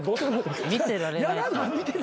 見てられない。